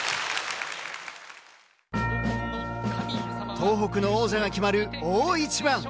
東北の王者が決まる大一番。